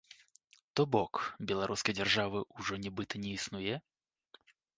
То бок, беларускай дзяржавы ўжо нібыта не існуе?